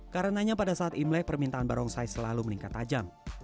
karenanya pada saat imlek permintaan barongsai selalu meningkat tajam